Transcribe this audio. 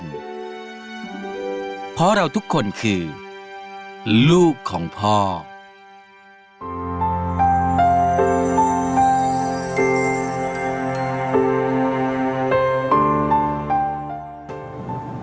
แต่ตอนเด็กก็รู้ว่าคนนี้คือพระเจ้าอยู่บัวของเรา